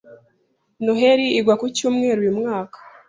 Noheri igwa ku cyumweru uyu mwaka.